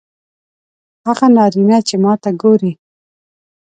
هغه نارینه چې ماته ګوري